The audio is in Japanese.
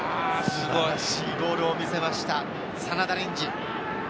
素晴らしいゴールを見せました、真田蓮司。